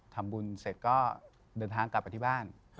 ทำบุญเสร็จก็เดินทางกลับไปที่บ้าน